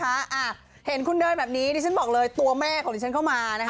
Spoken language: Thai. อ่าเห็นคุณเดินแบบนี้ดิฉันบอกเลยตัวแม่ของดิฉันเข้ามานะคะ